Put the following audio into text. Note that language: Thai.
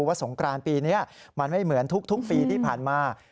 สงกรานปีนี้มันไม่เหมือนทุกปีที่ผ่านมา